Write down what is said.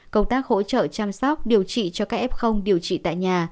công tác hỗ trợ chăm sóc điều trị cho các f điều trị tại nhà